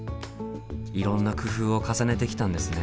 いろんな工夫を重ねてきたんですね。